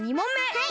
はい！